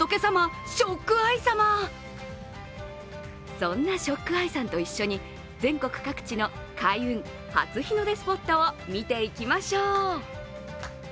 そんなＳＨＯＣＫＥＹＥさんと一緒に全国各地の開運・初日の出スポットを見ていきましょう。